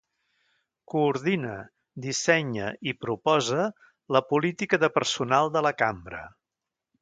Coordina, dissenya i proposa la política de personal de la Cambra.